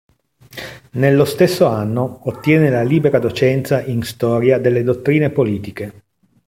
Nello stesso anno ottiene la libera docenza in Storia delle dottrine politiche.